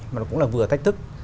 mà nó cũng là vừa là thách thức